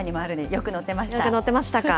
よく乗ってましたか。